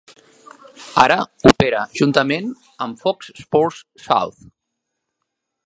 Ara opera juntament amb Fox Sports South.